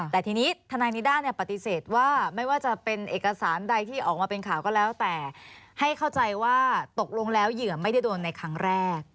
แต่ทีนี้ทนายนิด้าปฏิเสธว่าไม่ว่าจะเป็นเอกสารใดที่ออกมาเป็นข่าวก็แล้วแต่ให้เข้าใจว่าตกลงแล้วเหยื่อไม่ได้โดนในครั้งแรก